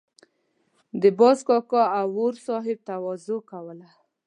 د باز کاکا او اور صاحب تواضع کوله.